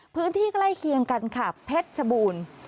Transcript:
พื้นที่ใกล้เคียงกันค่ะเพชรชบูรณ์